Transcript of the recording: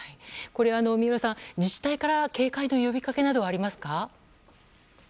三浦さん、自治体から警戒の呼びかけなどはありますか？